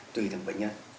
tùy từng bệnh nhân